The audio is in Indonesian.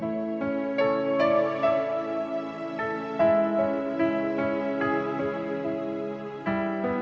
jangan lupa like share dan subscribe ya